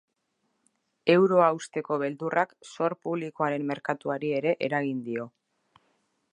Euroa hausteko beldurrak zor publikoaren merkatuari ere eragin dio.